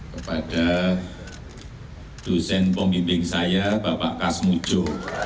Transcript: kepada dosen pemimbing saya bapak kas mujo